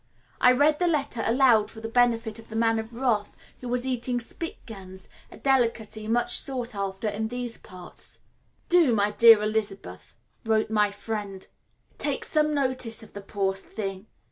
I read the letter aloud for the benefit of the Man of Wrath, who was eating Spickgans, a delicacy much sought after in these parts. "Do, my dear Elizabeth," wrote my friend, "take some notice of the poor thing.